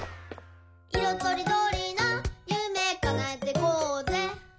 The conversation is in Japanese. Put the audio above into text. とりどりなゆめかなえてこうぜ！」